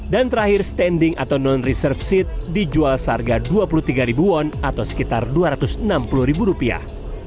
dan terakhir standing atau non reserve seat dijual seharga dua puluh tiga won atau sekitar dua ratus enam puluh rupiah